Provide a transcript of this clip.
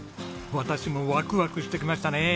私もワクワクしてきましたね。